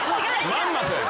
まんまとね。